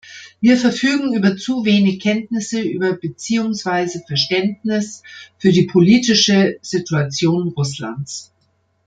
Wir verfügen über zu wenig Kenntnisse über beziehungsweise Verständnis für die politische Situation Russlands.